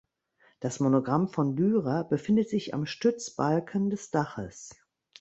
Das Monogramm von Dürer befindet sich am Stützbalken des Daches.